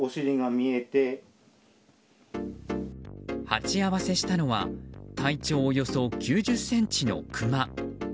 鉢合わせしたのは体長およそ９０ｃｍのクマ。